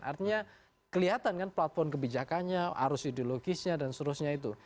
artinya kelihatan kan platform kebijakannya arus ideologisnya dan seterusnya itu